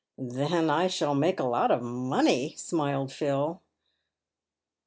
" Then I shall make a lot of money," smiled Phil.